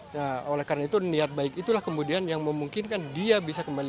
nah oleh karena itu niat baik itulah kemudian yang memungkinkan dia bisa kembali